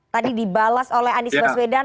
tadi dibalas oleh anies baswedan